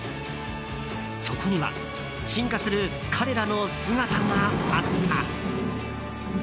そこには進化する彼らの姿があった。